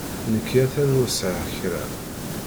Nekki a-t-an ur sɛiɣ kra.